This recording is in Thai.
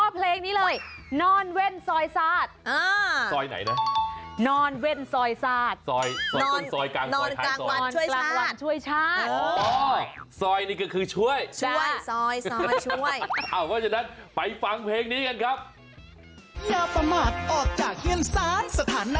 อ๋อเพลงนี้เลยนอนเว่นซอยซาด